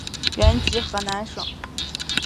原籍河南省。